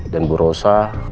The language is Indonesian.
dan bu rosa